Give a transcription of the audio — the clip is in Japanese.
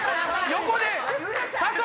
横で。